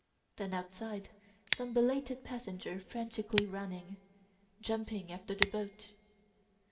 Then outside some belated passenger frantically running, jumping after the boat.